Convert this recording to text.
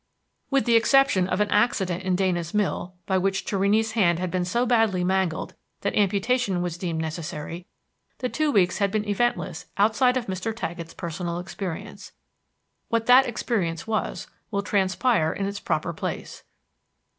With the exception of an accident in Dana's Mill, by which Torrini's hand had been so badly mangled that amputation was deemed necessary, the two weeks had been eventless outside of Mr. Taggett's personal experience. What that experience was will transpire in its proper place.